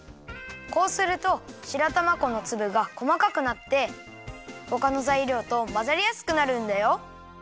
こうすると白玉粉のつぶがこまかくなってほかのざいりょうとまざりやすくなるんだよ。